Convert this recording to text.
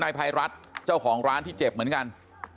ภัยรัฐเจ้าของร้านที่เจ็บเหมือนกัน